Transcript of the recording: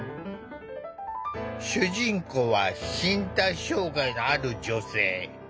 主人公は身体障害のある女性。